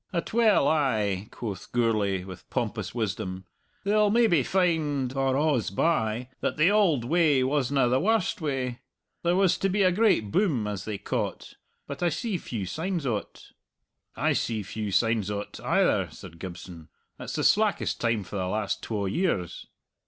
"Atwell ay," quoth Gourlay with pompous wisdom; "they'll maybe find, or a's by, that the auld way wasna the warst way. There was to be a great boom, as they ca't, but I see few signs o't." "I see few signs o't either," said Gibson, "it's the slackest time for the last twa years."